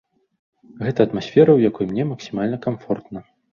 Гэта атмасфера, у якой мне максімальна камфортна.